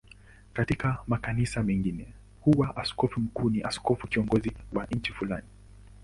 Katika makanisa mengine huwa askofu mkuu ni askofu kiongozi wa nchi fulani.